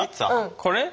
これ？